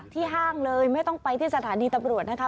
ห้างเลยไม่ต้องไปที่สถานีตำรวจนะคะ